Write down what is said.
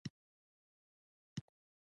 په سرپل کي اسحق زي د ډير نفوذ لري.